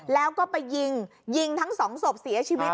แล้วก็ไปยิงยิงทั้งสองศพเสียชีวิต